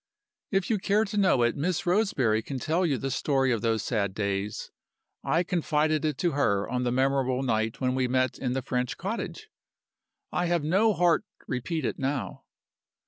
If you care to know it, Miss Roseberry can tell you the story of those sad days. I confided it to her on the memorable night when we met in the French cottage; I have no heart repeat it now.